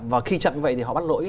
và khi chậm như vậy thì họ bắt lỗi